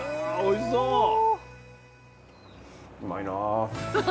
あおいしそう！